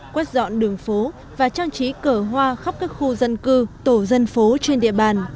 quét dọn đường phố và trang trí cỡ hoa khắp các khu dân cư tổ dân phố trên địa bàn